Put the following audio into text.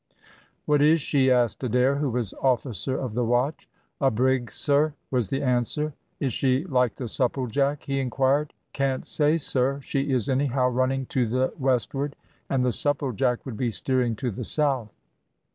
"What is she?" asked Adair, who was officer of the watch. "A brig, sir," was the answer. "Is she like the Supplejack?" he inquired. "Can't say, sir. She is anyhow running to the westward, and the Supplejack would be steering to the south."